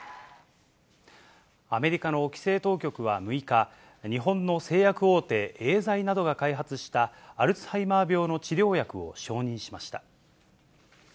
アメリカの規制当局は６日、日本の製薬大手、エーザイなどが開発したアルツハイマー病の治療薬を承認しました。